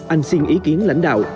anh xin ý kiến lãnh đạo